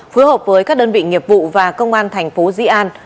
phối hợp với các đơn vị nghiệp vụ và công an thành phố di an